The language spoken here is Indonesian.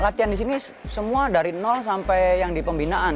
latihan di sini semua dari nol sampai yang di pembinaan